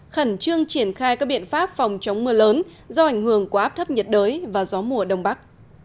khẩn trương triển khai các biện pháp phòng chống mưa lớn do ảnh hưởng của áp thấp nhiệt đới và gió mùa đông bắc